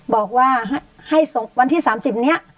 บอกว่าให้วันที่๓๐นี้